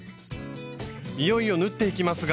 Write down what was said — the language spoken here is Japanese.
いよいよ縫っていきますが。